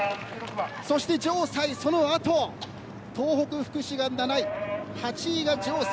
そして城西、そのあと東北福祉が７位８位が城西。